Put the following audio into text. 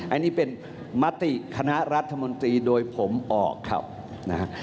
อันนี้เป็นมติคณะรัฐมนตรีโดยผมออกครับนะฮะ